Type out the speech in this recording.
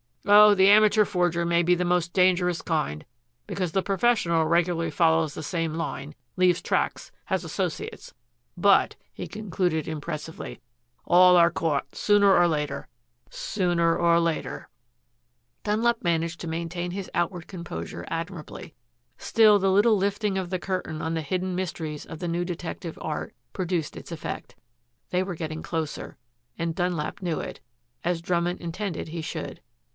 Oh, the amateur forger may be the most dangerous kind, because the professional regularly follows the same line, leaves tracks, has associates, but," he concluded impressively, "all are caught sooner or later sooner or later." Dunlap managed to maintain his outward composure admirably. Still the little lifting of the curtain on the hidden mysteries of the new detective art produced its effect. They were getting closer, and Dunlap knew it, as Drummond intended he should.